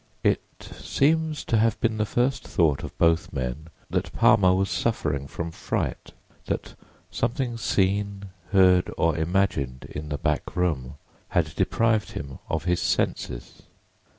It seems to have been the first thought of both men that Palmer was suffering from fright—that something seen, heard or imagined in the back room had deprived him of his senses.